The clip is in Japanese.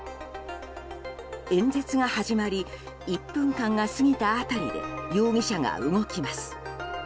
演説が始まり１分間が過ぎた辺りで容疑者が動きます。